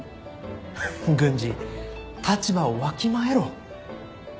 郡司立場をわきまえろ。